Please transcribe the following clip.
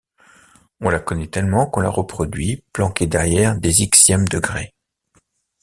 On la connaît tellement qu’on la reproduit, planqués derrière des ixièmes degrés.